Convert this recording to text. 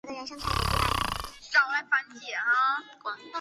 剑冢中埋的是独孤求败一生几个阶段中用过的几柄剑。